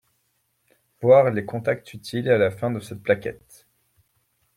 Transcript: Voir les contacts utiles à la fin de cette plaquette.